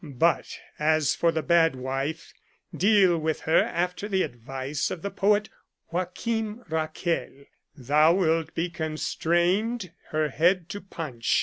But as for the bad wife, deal with her after the advice of the poet Joachim Rachel :— Thou wilt be constrained her head to punch.